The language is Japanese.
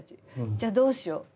じゃあどうしよう？」。